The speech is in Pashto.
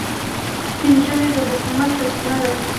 سپین ږیری د حکمت سرچینه ده